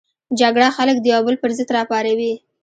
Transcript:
جګړه خلک د یو بل پر ضد راپاروي